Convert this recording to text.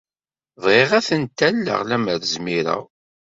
Bɣiɣ ad tent-alleɣ, lemmer zmireɣ.